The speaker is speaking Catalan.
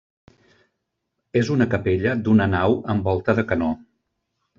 És una capella d'una nau amb volta de canó.